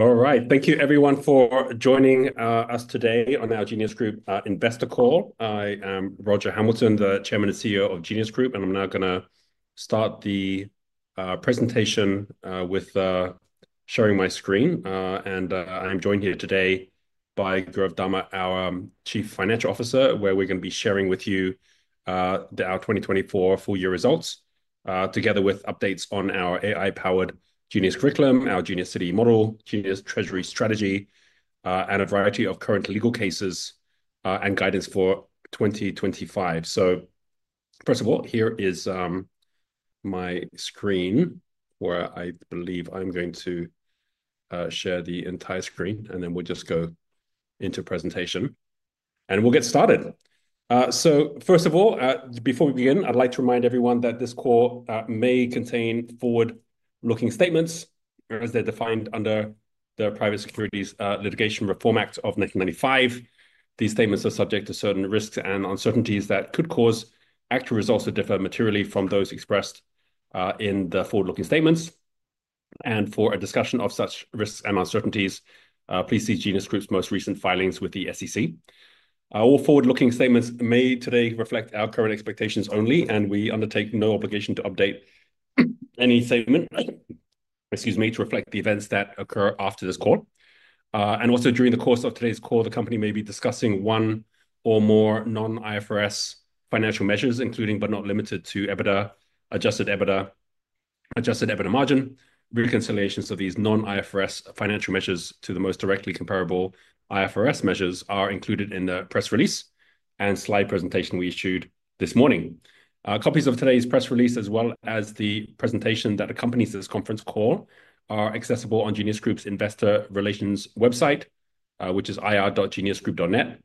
All right, thank you everyone for joining us today on our Genius Group Investor Call. I am Roger Hamilton, the Chairman and CEO of Genius Group, and I'm now going to start the presentation with sharing my screen. I am joined here today by Gaurav Dama, our Chief Financial Officer, where we're going to be sharing with you our 2024 full year results, together with updates on our AI-powered Genius Curriculum, our Genius City model, Genius Treasury strategy, and a variety of current legal cases and guidance for 2025. First of all, here is my screen, where I believe I'm going to share the entire screen, and then we'll just go into presentation and we'll get started. First of all, before we begin, I'd like to remind everyone that this call may contain forward-looking statements as they're defined under the Private Securities Litigation Reform Act of 1995. These statements are subject to certain risks and uncertainties that could cause actual results to differ materially from those expressed in the forward-looking statements. For a discussion of such risks and uncertainties, please see Genius Group's most recent filings with the SEC. All forward-looking statements made today reflect our current expectations only, and we undertake no obligation to update any statement, excuse me, to reflect the events that occur after this call. Also, during the course of today's call, the company may be discussing one or more non-IFRS financial measures, including but not limited to adjusted EBITDA, adjusted EBITDA margin. Reconciliations of these non-IFRS financial measures to the most directly comparable IFRS measures are included in the press release and slide presentation we issued this morning. Copies of today's press release, as well as the presentation that accompanies this conference call, are accessible on Genius Group's Investor Relations website, which is ir.geniusgroup.net.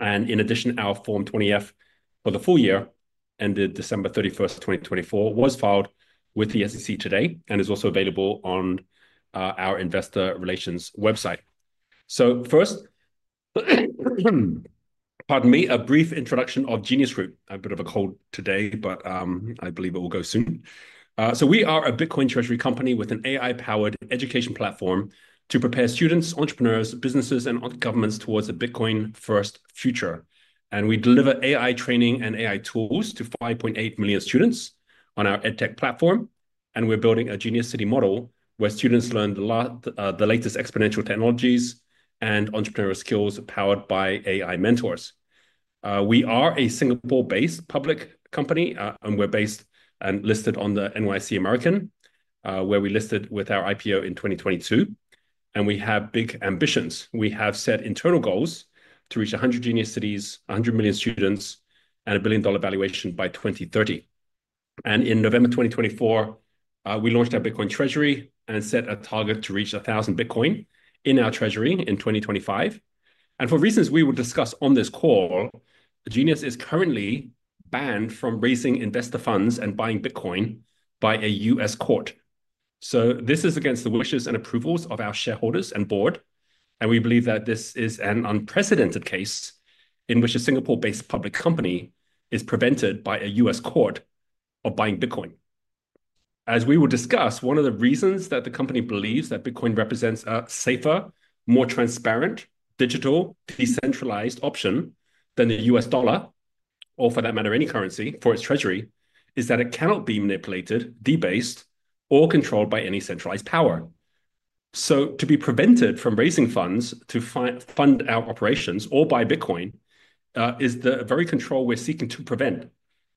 In addition, our Form 20-F for the full year, ended December 31st, 2024, was filed with the SEC today and is also available on our Investor Relations website. First, pardon me, a brief introduction of Genius Group. I have a bit of a cold today, but I believe it will go soon. We are a Bitcoin Treasury Company with an AI-powered education platform to prepare students, entrepreneurs, businesses, and governments towards a Bitcoin-first future. We deliver AI training and AI tools to 5.8 million students on our Edtech platform. We are building a Genius City model where students learn the latest exponential technologies and entrepreneurial skills powered by AI mentors. We are a Singapore-based public company, and we're based and listed on the NYSE American, where we listed with our IPO in 2022. We have big ambitions. We have set internal goals to reach 100 Genius Cities, 100 million students, and a $1 billion valuation by 2030. In November 2024, we launched our Bitcoin Treasury and set a target to reach 1,000 Bitcoin in our treasury in 2025. For reasons we will discuss on this call, Genius is currently banned from raising investor funds and buying Bitcoin by a U.S. court. This is against the wishes and approvals of our shareholders and board. We believe that this is an unprecedented case in which a Singapore-based public company is prevented by a U.S. court from buying Bitcoin. As we will discuss, one of the reasons that the company believes that Bitcoin represents a safer, more transparent, digital, decentralized option than the US dollar, or for that matter, any currency for its treasury, is that it cannot be manipulated, debased, or controlled by any centralized power. To be prevented from raising funds to fund our operations or buy Bitcoin is the very control we're seeking to prevent.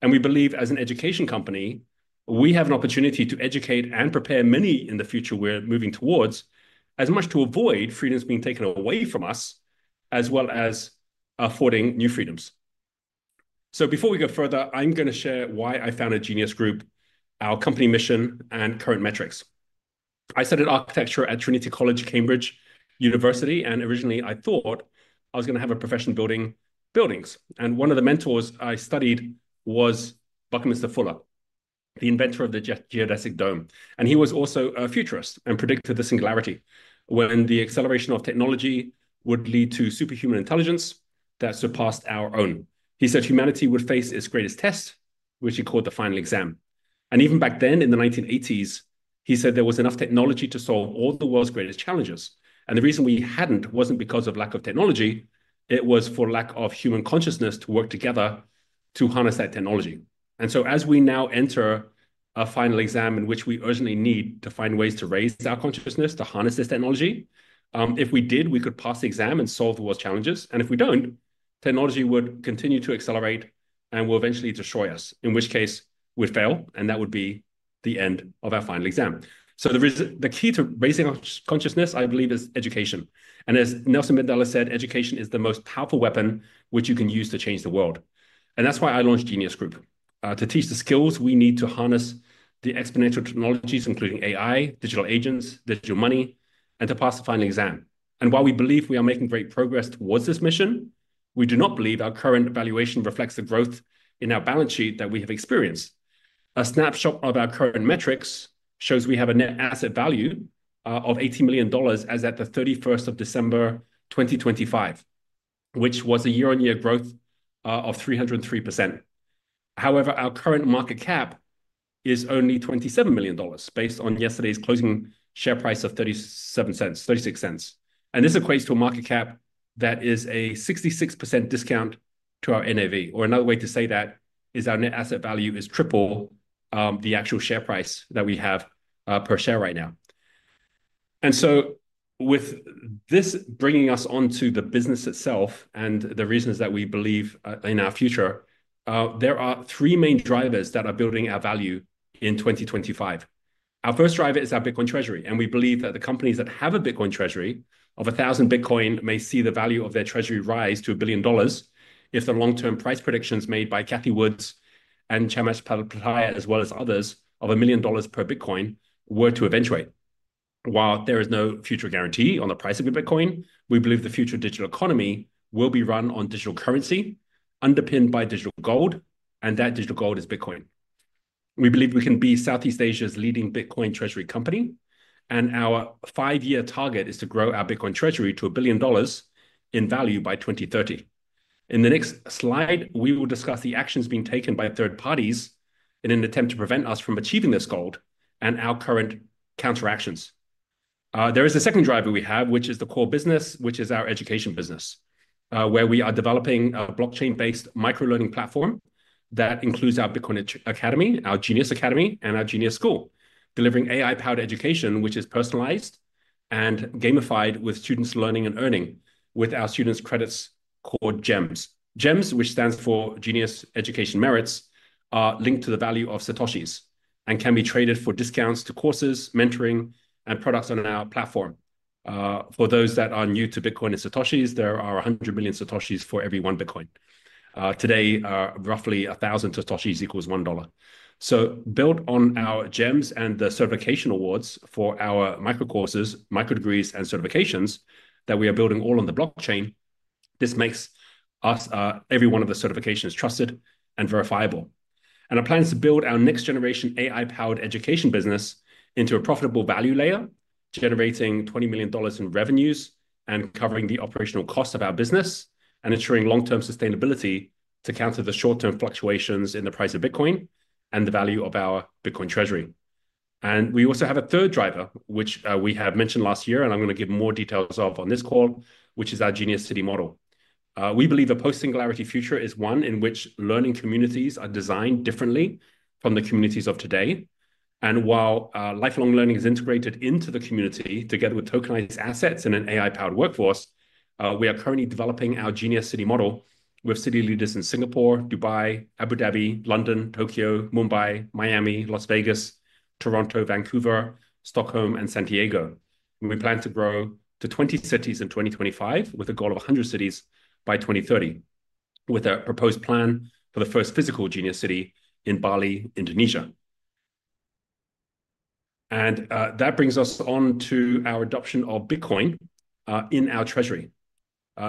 We believe, as an education company, we have an opportunity to educate and prepare many in the future we're moving towards as much to avoid freedoms being taken away from us, as well as affording new freedoms. Before we go further, I'm going to share why I founded Genius Group, our company mission, and current metrics. I studied architecture at Trinity College Cambridge University, and originally I thought I was going to have a profession building buildings. One of the mentors I studied was Buckminster Fuller, the inventor of the geodesic dome. He was also a futurist and predicted the Singularity when the acceleration of technology would lead to superhuman intelligence that surpassed our own. He said humanity would face its greatest test, which he called the final exam. Even back then in the 1980s, he said there was enough technology to solve all the world's greatest challenges. The reason we had not was not because of lack of technology. It was for lack of human consciousness to work together to harness that technology. As we now enter a final exam in which we urgently need to find ways to raise our consciousness to harness this technology, if we did, we could pass the exam and solve the world's challenges. If we do not, technology would continue to accelerate and will eventually destroy us, in which case we fail, and that would be the end of our Final Exam. The key to raising consciousness, I believe, is education. As Nelson Mandela said, education is the most powerful weapon which you can use to change the world. That is why I launched Genius Group, to teach the skills we need to harness the exponential technologies, including AI, digital agents, digital money, and to pass the final exam. While we believe we are making great progress towards this mission, we do not believe our current valuation reflects the growth in our balance sheet that we have experienced. A snapshot of our current metrics shows we have a net asset value of $80 million as at the 31st of December 2025, which was a year-on-year growth of 303%. However, our current market cap is only $27 million based on yesterday's closing share price of $0.37, $0.36. This equates to a market cap that is a 66% discount to our NAV, or another way to say that is our net asset value is triple the actual share price that we have per share right now. With this bringing us on to the business itself and the reasons that we believe in our future, there are three main drivers that are building our value in 2025. Our first driver is our Bitcoin Treasury. We believe that the companies that have a Bitcoin Treasury of 1,000 Bitcoin may see the value of their treasury rise to a billion dollars if the long-term price predictions made by Cathie Wood and Chamath Palihapitiya, as well as others, of a million dollars per Bitcoin were to eventuate. While there is no future guarantee on the price of your Bitcoin, we believe the future digital economy will be run on digital currency underpinned by digital gold, and that digital gold is Bitcoin. We believe we can be Southeast Asia's leading Bitcoin Treasury company, and our five-year target is to grow our Bitcoin Treasury to $1 billion in value by 2030. In the next slide, we will discuss the actions being taken by third parties in an attempt to prevent us from achieving this goal and our current counteractions. There is a second driver we have, which is the core business, which is our education business, where we are developing a blockchain-based microlearning platform that includes our Bitcoin Academy, our Genius Academy, and our Genius School, delivering AI-powered education, which is personalized and gamified with students learning and earning with our students' credits called GEMs. GEMs, which stands for Genius Education Merits, are linked to the value of Satoshis and can be traded for discounts to courses, mentoring, and products on our platform. For those that are new to Bitcoin and Satoshis, there are 100 million Satoshis for every one Bitcoin. Today, roughly 1,000 Satoshis equals $1. Built on our GEMs and the certification awards for our micro courses, micro degrees, and certifications that we are building all on the blockchain, this makes every one of the certifications trusted and verifiable. Our plan is to build our next-generation AI-powered education business into a profitable value layer, generating $20 million in revenues and covering the operational cost of our business and ensuring long-term sustainability to counter the short-term fluctuations in the price of Bitcoin and the value of our Bitcoin Treasury. We also have a third driver, which we mentioned last year, and I'm going to give more details of on this call, which is our Genius City model. We believe a post-singularity future is one in which learning communities are designed differently from the communities of today. While lifelong learning is integrated into the community together with tokenized assets and an AI-powered workforce, we are currently developing our Genius City model with city leaders in Singapore, Dubai, Abu Dhabi, London, Tokyo, Mumbai, Miami, Las Vegas, Toronto, Vancouver, Stockholm, and San Diego. We plan to grow to 20 cities in 2025 with a goal of 100 cities by 2030, with a proposed plan for the first physical Genius City in Bali, Indonesia. That brings us on to our adoption of Bitcoin in our treasury.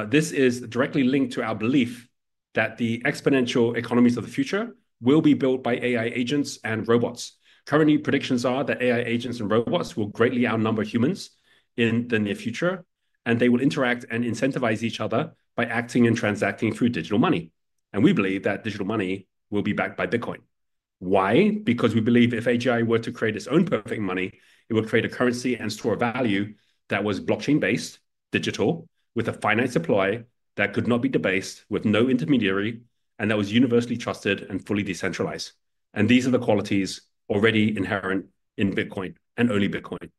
This is directly linked to our belief that the exponential economies of the future will be built by AI agents and robots. Currently, predictions are that AI agents and robots will greatly outnumber humans in the near future, and they will interact and incentivize each other by acting and transacting through digital money. We believe that digital money will be backed by Bitcoin. Why? Because we believe if AGI were to create its own perfect money, it would create a currency and store of value that was blockchain-based, digital, with a finite supply that could not be debased, with no intermediary, and that was universally trusted and fully decentralized. These are the qualities already inherent in Bitcoin and only Bitcoin.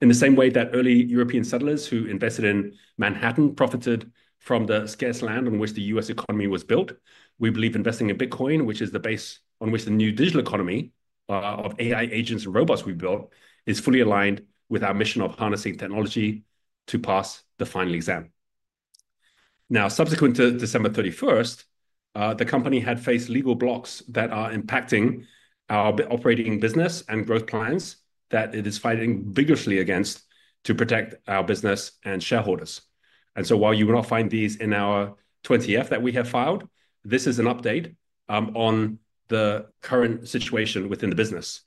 In the same way that early European settlers who invested in Manhattan profited from the scarce land on which the U.S. economy was built, we believe investing in Bitcoin, which is the base on which the new digital economy of AI agents and robots we built, is fully aligned with our mission of harnessing technology to pass the final exam. Now, subsequent to December 31st, the company had faced legal blocks that are impacting our operating business and growth plans that it is fighting vigorously against to protect our business and shareholders. While you will not find these in our 20-F that we have filed, this is an update on the current situation within the business.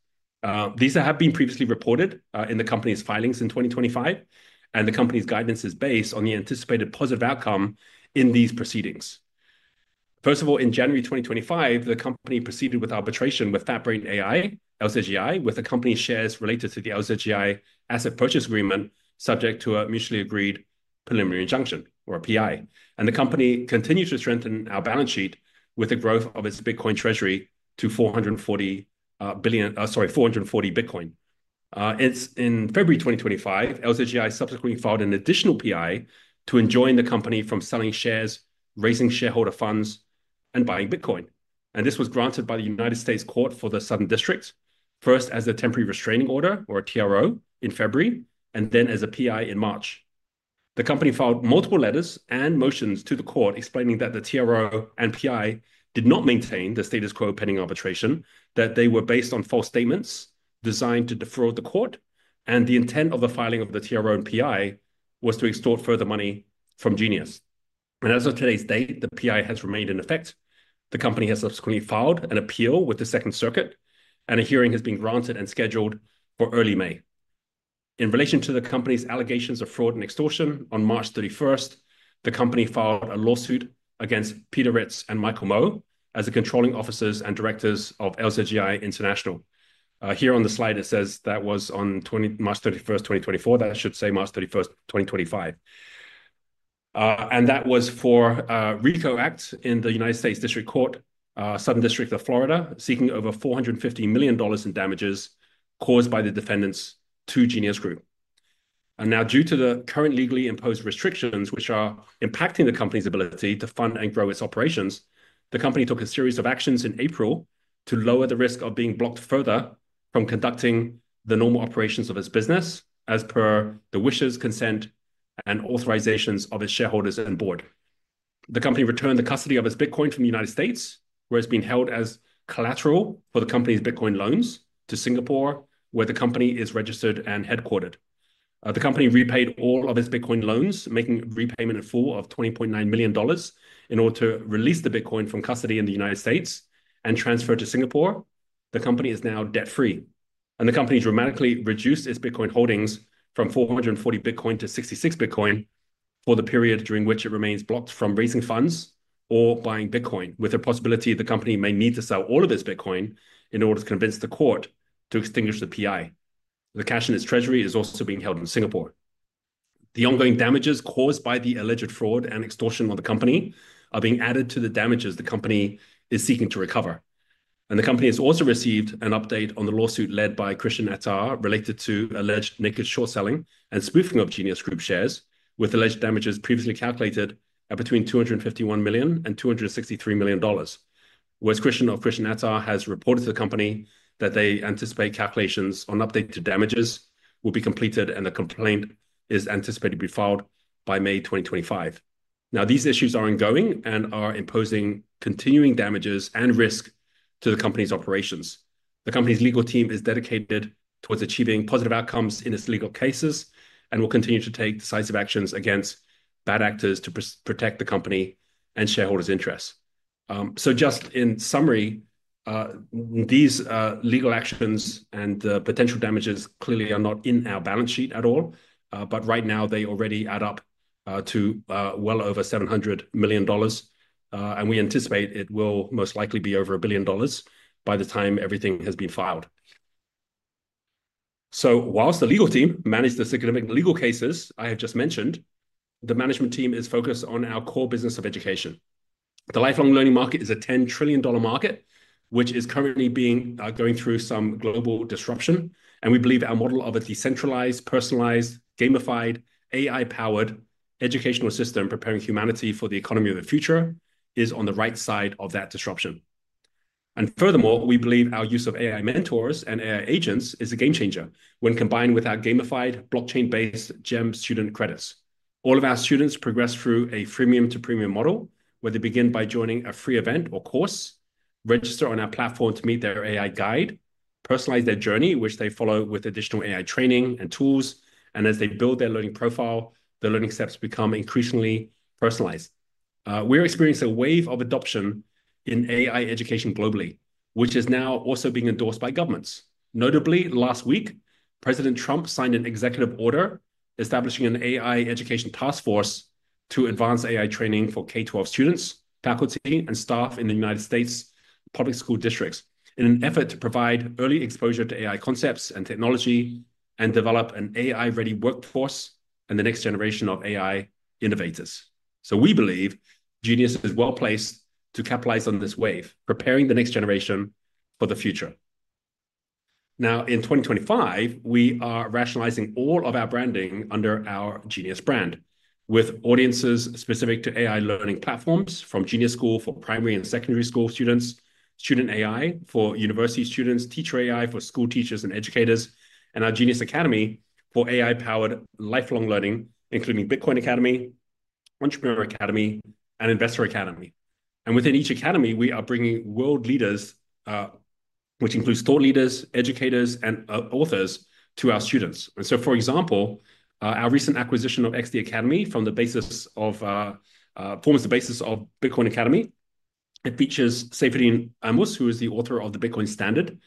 These have been previously reported in the company's filings in 2025, and the company's guidance is based on the anticipated positive outcome in these proceedings. First of all, in January 2025, the company proceeded with arbitration with FatBrain AI, LZGI, with the company's shares related to the LZGI asset purchase agreement, subject to a mutually agreed preliminary injunction, or a PI. The company continues to strengthen our balance sheet with the growth of its Bitcoin Treasury to 440 Bitcoin. In February 2025, LZGI subsequently filed an additional PI to enjoin the company from selling shares, raising shareholder funds, and buying Bitcoin. This was granted by the United States Court for the Southern District, first as a temporary restraining order, or a TRO, in February, and then as a PI in March. The company filed multiple letters and motions to the court explaining that the TRO and PI did not maintain the status quo pending arbitration, that they were based on false statements designed to defer the court, and the intent of the filing of the TRO and PI was to extort further money from Genius. As of today's date, the PI has remained in effect. The company has subsequently filed an appeal with the Second Circuit, and a hearing has been granted and scheduled for early May. In relation to the company's allegations of fraud and extortion, on March 31st, the company filed a lawsuit against Peter Ritz and Michael Moe as the controlling officers and directors of LZGI International. Here on the slide, it says that was on March 31st, 2024. That should say March 31st, 2025. That was for RICO Act in the United States District Court, Southern District of Florida, seeking over $450 million in damages caused by the defendants to Genius Group. Now, due to the current legally imposed restrictions, which are impacting the company's ability to fund and grow its operations, the company took a series of actions in April to lower the risk of being blocked further from conducting the normal operations of its business as per the wishes, consent, and authorizations of its shareholders and board. The company returned the custody of its Bitcoin from the United States, where it is being held as collateral for the company's Bitcoin loans, to Singapore, where the company is registered and headquartered. The company repaid all of its Bitcoin loans, making a repayment in full of $20.9 million in order to release the Bitcoin from custody in the United States and transfer it to Singapore. The company is now debt-free, and the company has dramatically reduced its Bitcoin holdings from 440 Bitcoin to 66 Bitcoin for the period during which it remains blocked from raising funds or buying Bitcoin, with the possibility the company may need to sell all of its Bitcoin in order to convince the court to extinguish the PI. The cash in its treasury is also being held in Singapore. The ongoing damages caused by the alleged fraud and extortion on the company are being added to the damages the company is seeking to recover. The company has also received an update on the lawsuit led by Christian Attar related to alleged naked short selling and spoofing of Genius Group shares, with alleged damages previously calculated at between $251 million and $263 million, whereas Christian of Christian Attar has reported to the company that they anticipate calculations on updated damages will be completed, and the complaint is anticipated to be filed by May 2025. These issues are ongoing and are imposing continuing damages and risk to the company's operations. The company's legal team is dedicated towards achieving positive outcomes in its legal cases and will continue to take decisive actions against bad actors to protect the company and shareholders' interests. Just in summary, these legal actions and the potential damages clearly are not in our balance sheet at all, but right now they already add up to well over $700 million, and we anticipate it will most likely be over a billion dollars by the time everything has been filed. Whilst the legal team managed the significant legal cases I have just mentioned, the management team is focused on our core business of education. The lifelong learning market is a $10 trillion market, which is currently going through some global disruption. We believe our model of a decentralized, personalized, gamified, AI-powered educational system preparing humanity for the economy of the future is on the right side of that disruption. Furthermore, we believe our use of AI mentors and AI agents is a game changer when combined with our gamified blockchain-based GEM student credits. All of our students progress through a freemium-to-premium model, where they begin by joining a free event or course, register on our platform to meet their AI guide, personalize their journey, which they follow with additional AI training and tools, and as they build their learning profile, the learning steps become increasingly personalized. We are experiencing a wave of adoption in AI education globally, which is now also being endorsed by governments. Notably, last week, President Trump signed an executive order establishing an AI education task force to advance AI training for K-12 students, faculty, and staff in the United States public school districts in an effort to provide early exposure to AI concepts and technology and develop an AI-ready workforce and the next generation of AI innovators. We believe Genius is well placed to capitalize on this wave, preparing the next generation for the future. Now, in 2025, we are rationalizing all of our branding under our Genius brand, with audiences specific to AI learning platforms from Genius School for primary and secondary school students, Student AI for university students, Teacher AI for school teachers and educators, and our Genius Academy for AI-powered lifelong learning, including Bitcoin Academy, Entrepreneur Academy, and Investor Academy. Within each academy, we are bringing world leaders, which includes thought leaders, educators, and authors to our students. For example, our recent acquisition of XD Academy forms the basis of Bitcoin Academy. It features Saifedean Ammous, who is the author of The Bitcoin Standard.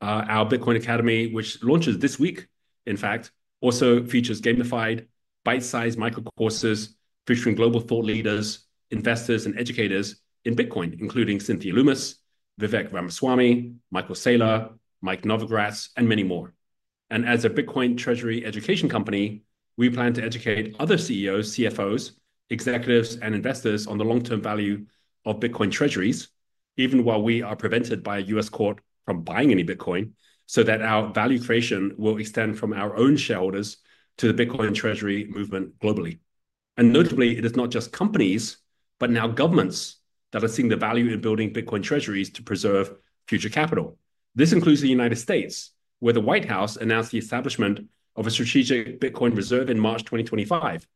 Our Bitcoin Academy, which launches this week, in fact, also features gamified, bite-sized micro courses featuring global thought leaders, investors, and educators in Bitcoin, including Cynthia Lummis, Vivek Ramaswamy, Michael Saylor, Mike Novogratz, and many more. As a Bitcoin Treasury education company, we plan to educate other CEOs, CFOs, executives, and investors on the long-term value of Bitcoin Treasuries, even while we are prevented by a U.S. court from buying any Bitcoin, so that our value creation will extend from our own shareholders to the Bitcoin Treasury movement globally. Notably, it is not just companies, but now governments that are seeing the value in building Bitcoin Treasuries to preserve future capital. This includes the United States, where the White House announced the establishment of a strategic Bitcoin reserve in March 2025.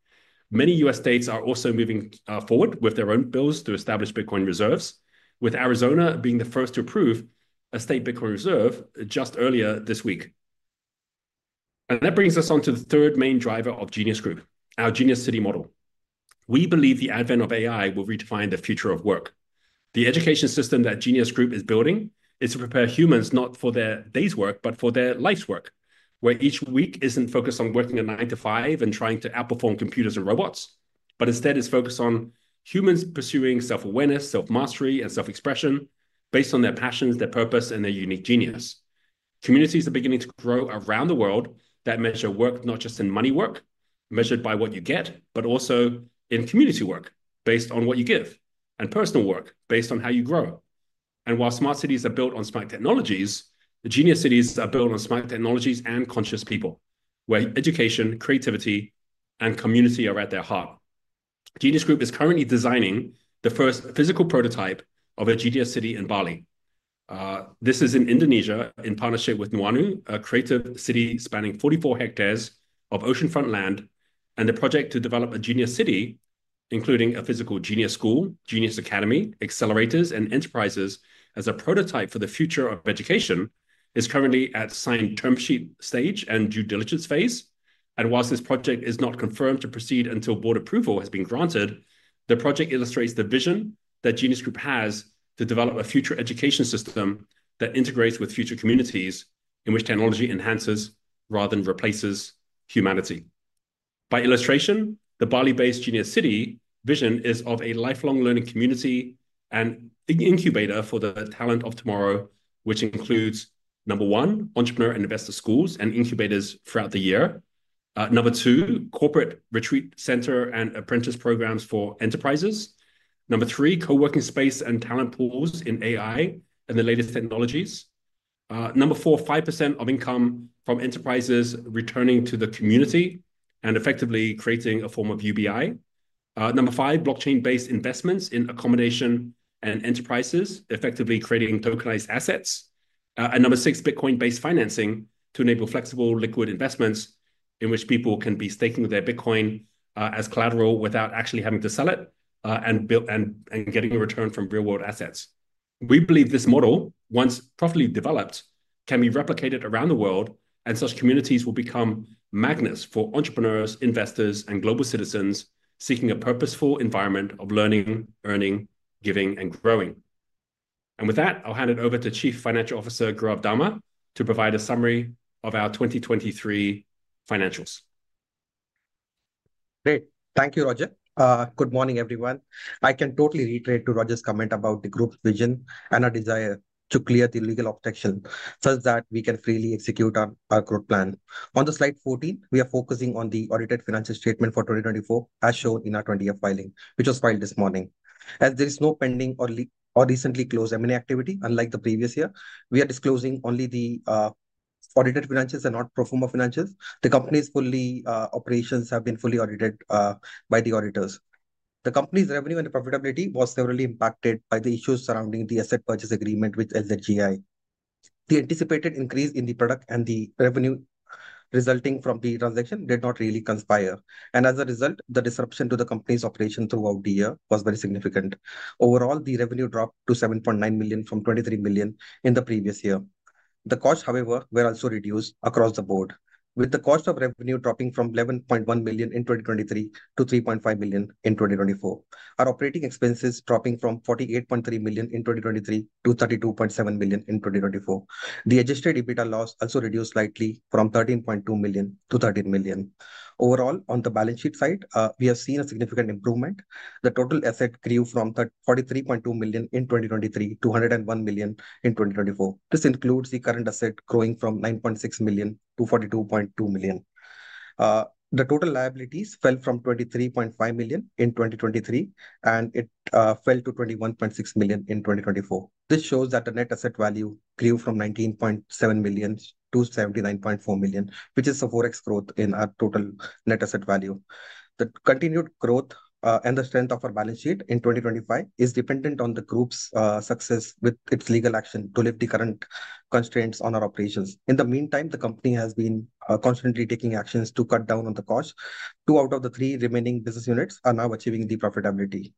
Many U.S. states are also moving forward with their own bills to establish Bitcoin reserves, with Arizona being the first to approve a state Bitcoin reserve just earlier this week. That brings us on to the third main driver of Genius Group, our Genius City model. We believe the advent of AI will redefine the future of work. The education system that Genius Group is building is to prepare humans not for their day's work, but for their life's work, where each week is not focused on working at 9:00 A.M. to 5:00 P.M. and trying to outperform computers and robots, but instead is focused on humans pursuing self-awareness, self-mastery, and self-expression based on their passions, their purpose, and their unique genius. Communities are beginning to grow around the world that measure work not just in money work, measured by what you get, but also in community work based on what you give, and personal work based on how you grow. While smart cities are built on smart technologies, the Genius Cities are built on smart technologies and conscious people, where education, creativity, and community are at their heart. Genius Group is currently designing the first physical prototype of a Genius City in Bali. This is in Indonesia in partnership with Nuanu, a creative city spanning 44 hectares of oceanfront land, and the project to develop a Genius City, including a physical Genius School, Genius Academy, accelerators, and enterprises as a prototype for the future of education, is currently at signed term sheet stage and due diligence phase. Whilst this project is not confirmed to proceed until board approval has been granted, the project illustrates the vision that Genius Group has to develop a future education system that integrates with future communities in which technology enhances rather than replaces humanity. By illustration, the Bali-based Genius City vision is of a lifelong learning community and incubator for the talent of tomorrow, which includes, number one, entrepreneur and investor schools and incubators throughout the year. Number two, corporate retreat center and apprentice programs for enterprises. Number three, co-working space and talent pools in AI and the latest technologies. Number four, 5% of income from enterprises returning to the community and effectively creating a form of UBI. Number five, blockchain-based investments in accommodation and enterprises effectively creating tokenized assets. Number six, Bitcoin-based financing to enable flexible liquid investments in which people can be staking their Bitcoin as collateral without actually having to sell it and getting a return from real-world assets. We believe this model, once properly developed, can be replicated around the world, and such communities will become magnets for entrepreneurs, investors, and global citizens seeking a purposeful environment of learning, earning, giving, and growing. With that, I'll hand it over to Chief Financial Officer Gaurav Dama to provide a summary of our 2023 financials. Great. Thank you, Roger. Good morning, everyone. I can totally reiterate to Roger's comment about the group's vision and our desire to clear the legal obstruction such that we can freely execute our growth plan. On the slide 14, we are focusing on the audited financial statement for 2024, as shown in our 20-F filing, which was filed this morning. As there is no pending or recently closed M&A activity, unlike the previous year, we are disclosing only the audited financials and not pro forma financials. The company's operations have been fully audited by the auditors. The company's revenue and profitability were severely impacted by the issues surrounding the asset purchase agreement with LZGI. The anticipated increase in the product and the revenue resulting from the transaction did not really conspire. As a result, the disruption to the company's operation throughout the year was very significant. Overall, the revenue dropped to $7.9 million from $23 million in the previous year. The costs, however, were also reduced across the board, with the cost of revenue dropping from $11.1 million in 2023 to $3.5 million in 2024. Our operating expenses dropping from $48.3 million in 2023 to $32.7 million in 2024. The adjusted EBITDA loss also reduced slightly from $13.2 million to $13 million. Overall, on the balance sheet side, we have seen a significant improvement. The total asset grew from $43.2 million in 2023 to $101 million in 2024. This includes the current asset growing from $9.6 million to $42.2 million. The total liabilities fell from $23.5 million in 2023, and it fell to $21.6 million in 2024. This shows that the net asset value grew from $19.7 million to $79.4 million, which is a 4x growth in our total net asset value. The continued growth and the strength of our balance sheet in 2025 is dependent on the group's success with its legal action to lift the current constraints on our operations. In the meantime, the company has been constantly taking actions to cut down on the cost. Two out of the three remaining business units are now achieving the profitability.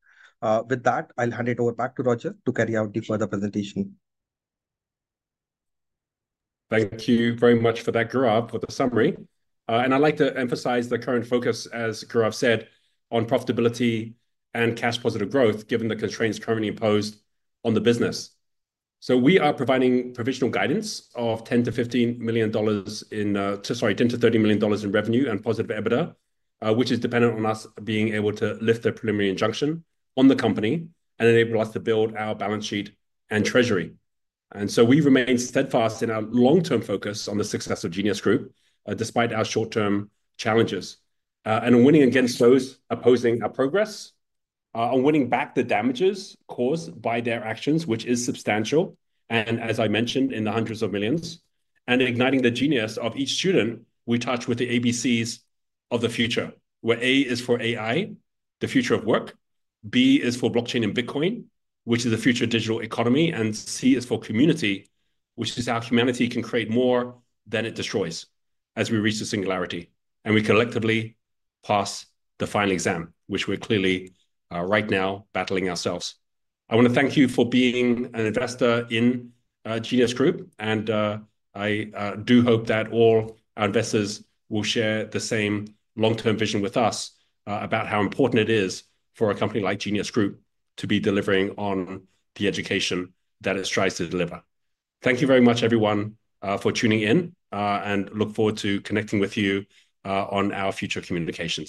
With that, I'll hand it over back to Roger to carry out the further presentation. Thank you very much for that, Gaurav, for the summary. I would like to emphasize the current focus, as Gaurav said, on profitability and cash-positive growth, given the constraints currently imposed on the business. We are providing provisional guidance of $10 million-$15 million in revenue and positive EBITDA, which is dependent on us being able to lift the preliminary injunction on the company and enable us to build our balance sheet and treasury. We remain steadfast in our long-term focus on the success of Genius Group, despite our short-term challenges. In winning against those opposing our progress, on winning back the damages caused by their actions, which is substantial, and as I mentioned, in the hundreds of millions, and igniting the genius of each student, we touch with the ABCs of the future, where A is for AI, the future of work, B is for blockchain and Bitcoin, which is a future digital economy, and C is for community, which is how humanity can create more than it destroys as we reach the singularity and we collectively pass the final exam, which we are clearly right now battling ourselves. I want to thank you for being an investor in Genius Group, and I do hope that all our investors will share the same long-term vision with us about how important it is for a company like Genius Group to be delivering on the education that it strives to deliver. Thank you very much, everyone, for tuning in, and look forward to connecting with you on our future communications.